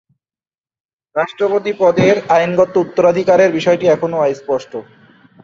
রাষ্ট্রপতি পদের আইনগত উত্তরাধিকারের বিষয়টি এখনো অস্পষ্ট।